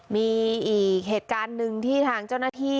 มีอีกเหตุการณ์หนึ่งที่ทางเจ้าหน้าที่